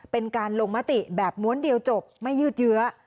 เป็นการลงมติแบบม้วนเดียวจบไม่ยืดเยื้อ